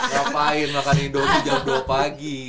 ngapain makan hidup di jam dua pagi